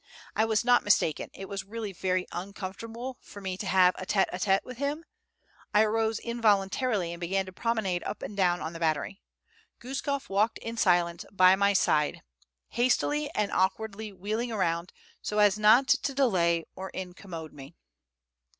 I was not mistaken, it was really very uncomfortable for me to have a tete a tete with him; I arose involuntarily, and began to promenade up and down on the battery. Guskof walked in silence by my side, hastily and awkwardly wheeling around so as not to delay or incommode me.